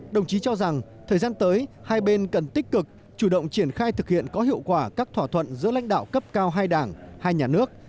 đồng chí cho rằng thời gian tới hai bên cần tích cực chủ động triển khai thực hiện có hiệu quả các thỏa thuận giữa lãnh đạo cấp cao hai đảng hai nhà nước